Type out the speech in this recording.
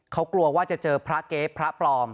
เขากลัวว่าจะเจอพระเก๊พระปลอม